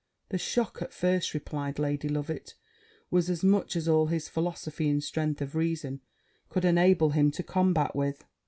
'The shock at first,' replied Lady Loveit, 'was as much as all his philosophy and strength of reason could enable him to combat with.